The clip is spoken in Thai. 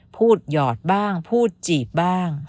หยอดบ้างพูดจีบบ้าง